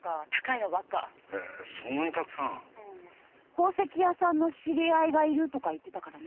宝石屋さんの知り合いがいるとか言ってたからね。